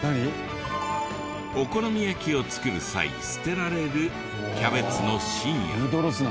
お好み焼きを作る際捨てられるキャベツの芯や。